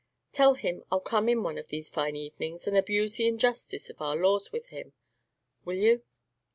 Tell him I'll come in one of these fine evenings, and abuse the injustice of our laws with him, will you?"